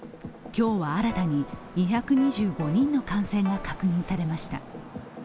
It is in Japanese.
今日は新たに２２５人の感染が確認されました。